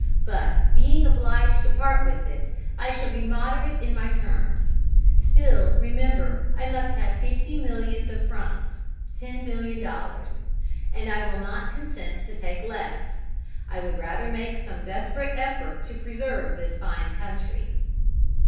But being obliged to part with it, I shall be moderate in my terms. Still, remember I must have fifty millions of francs ($10,000,000), and I will not consent to take less. I would rather make some desperate effort to preserve this fine country."